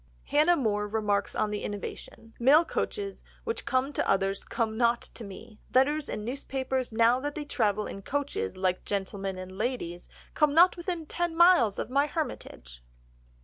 Hannah More remarks on the innovation: "Mail coaches, which come to others, come not to me; letters and newspapers now that they travel in coaches, like gentlemen and ladies, come not within ten miles of my hermitage."